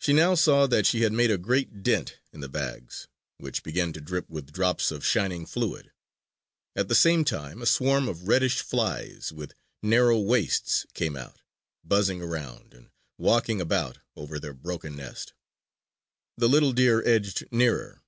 She now saw that she had made a great dent in the bags, which began to drip with drops of shining fluid. At the same time a swarm of reddish flies, with narrow waists, came out, buzzing around and walking about, over their broken nest. The little deer edged nearer.